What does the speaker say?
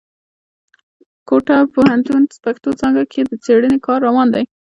کوټه پوهنتون پښتو څانګه کښي د څېړني کار روان دی.